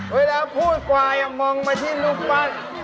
เวลาพูดควายมองมาที่รูปปั้น